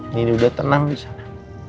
nindy udah tenang disana